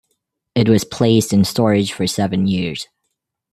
It was placed in storage for seven years.